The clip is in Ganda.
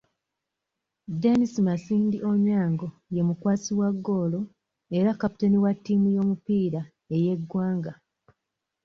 Dennis Masindi Onyango ye mukwasi wa ggoolo era kaputeni wa ttiimu y'omupiira ey'eggwanga.